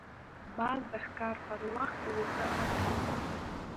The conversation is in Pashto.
باز د ښکار پر وخت غوسه نه کوي